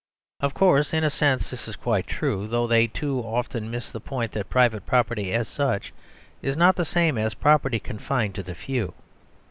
Of course, in a sense, this is quite true; though they too often miss the point that private property, as such, is not the same as property confined to the few.